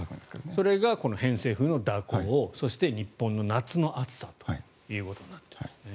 それがこの偏西風の蛇行そして日本の夏の暑さということになっていますね。